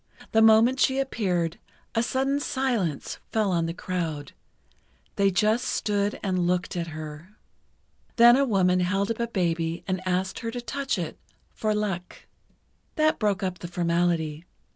The moment she appeared, a sudden silence fell on the crowd—they just stood and looked at her. Then a woman held up a baby and asked her to touch it "for luck." That broke up the formality.